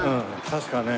確かね。